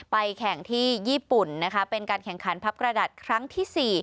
แข่งที่ญี่ปุ่นนะคะเป็นการแข่งขันพับกระดาษครั้งที่๔